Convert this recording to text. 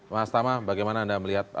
mas tama bagaimana anda melihat